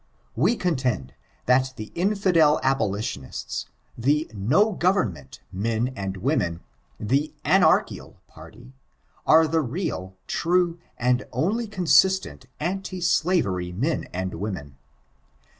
We contend, that the infidd oboHtiamHt ^^the no government men and womenr ^tAe anarchical party, are the real, true, and only consistent anti slavery men and women.